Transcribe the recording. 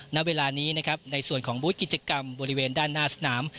ณเวลานี้นะครับในส่วนของบูธกิจกรรมบริเวณด้านหน้าสนาม